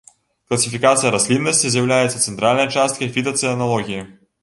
Класіфікацыя расліннасці з'яўляецца цэнтральнай часткай фітацэналогіі.